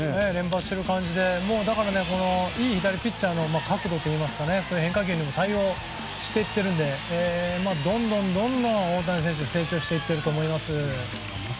だから、いい左ピッチャーの角度といいますか変化球にも対応していってるんでどんどん、大谷選手成長していってると思います。